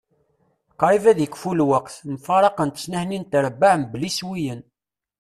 Qrib ad ikfu lweqt. Mfaraqent snat-nni n trebbaɛ mebla iswiyen.